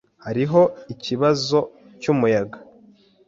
Hariho ikibazo cyumuyaga.